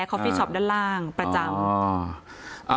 เขาฟี่ช็อปด้านล่างประจำ